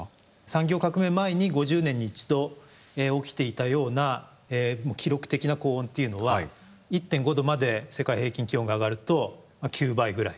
産業革命前に５０年に一度起きていたような記録的な高温というのは１．５℃まで世界平均気温が上がると９倍ぐらい。